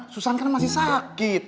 susan kan masih sakit